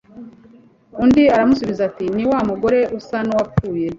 Undi aramusubiza ati ni wa mugore usa n’uwapfuye